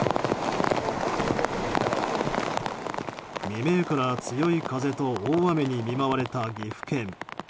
未明から、強い風と大雨に見舞われた岐阜県。